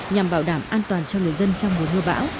nhằm bảo đảm an toàn cho người dân trong mùa mưa bão